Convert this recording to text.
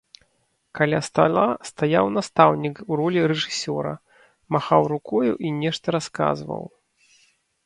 Каля стала стаяў настаўнік у ролі рэжысёра, махаў рукою і нешта расказваў.